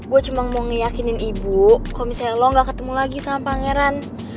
gue cuma mau ngeyakinin ibu kalau misalnya lo gak ketemu lagi sama pangeran